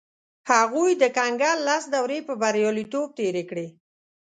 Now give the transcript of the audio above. هغوی د کنګل لس دورې په بریالیتوب تېرې کړې.